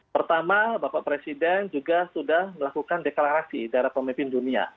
pertama bapak presiden juga sudah melakukan deklarasi dari pemimpin dunia